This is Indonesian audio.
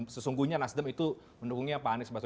sesungguhnya nasdem itu mendukungnya pak andika